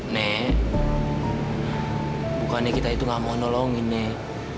nek bukannya kita itu gak mau nolongin nih